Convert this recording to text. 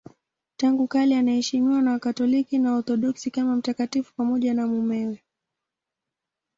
Tangu kale anaheshimiwa na Wakatoliki na Waorthodoksi kama mtakatifu pamoja na mumewe.